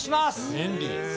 便利。